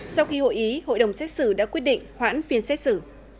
sau khi hội ý hội đồng xét xử đã quyết định hoãn phiên xét xử